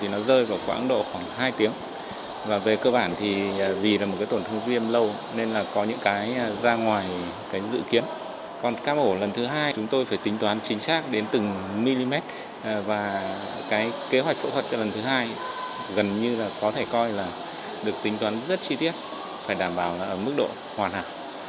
lần thứ hai chúng tôi phải tính toán chính xác đến từng mm và cái kế hoạch phẫu thuật lần thứ hai gần như là có thể coi là được tính toán rất chi tiết phải đảm bảo là ở mức độ hoàn hảo